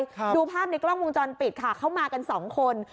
ครับดูภาพในกล้องวงจรปิดค่ะเขามากันสองคน